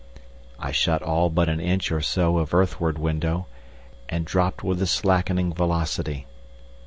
I shut all but an inch or so of earthward window, and dropped with a slackening velocity.